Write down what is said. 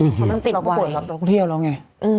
เขาต้องติดไวน์เราก็ปลดลองเที่ยวแล้วไง